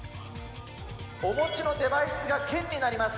お持ちのデバイスが剣になります。